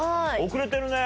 遅れてるね。